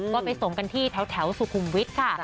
ก็ไปส่งกันที่แถวสุขุมวิทย์ค่ะ